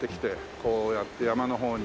こうやって山の方に。